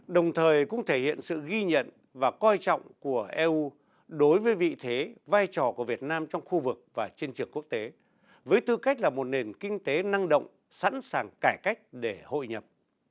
đồng thời cũng thể hiện sự ghi nhận và coi trọng của eu đối với vị thế vai trò của việt nam trong khu vực và trên trường quốc tế với tư cách là một nền kinh tế năng động sẵn sàng cải cách để hội nhập